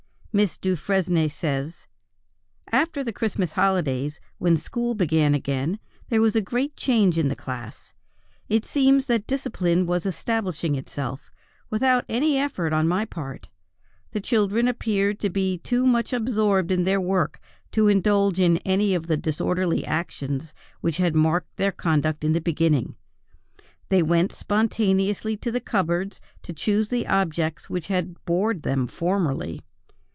Miss Dufresne says: "After the Christmas holidays, when school began again, there was a great change in the class. It seemed that discipline was establishing itself, without any effort on my part. The children appeared to be too much absorbed in their work to indulge in any of the disorderly actions which had marked their conduct in the beginning. They went spontaneously to the cupboards to choose the objects which had bored them formerly.